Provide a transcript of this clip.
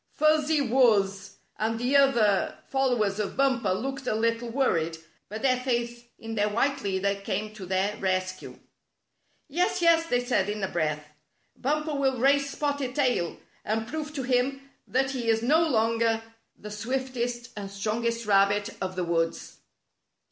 Fuzzy Wuzz and the other followers of Bumper looked a little A Test of Fleetness 39 worried, but their faith in their white leader came to their rescue. "Yes, yes,'' they said in a breath, "Bumper will race Spotted Tail, and prove to him that he is no longer the swiftest and strongest rabbit of the woods."